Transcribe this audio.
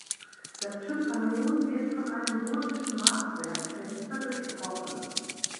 Das Tympanon wird von einem gotischen Maßwerkfenster durchbrochen.